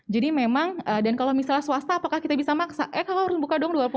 jadi memang dan kalau misalnya swasta apakah kita bisa maksa eh kakak harus buka dong dua puluh empat jam